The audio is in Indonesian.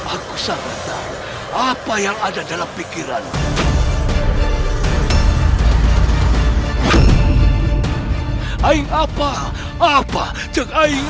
aku sangat tahu apa yang ada dalam pikiranmu